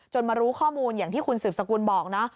มารู้ข้อมูลอย่างที่คุณสืบสกุลบอกนะ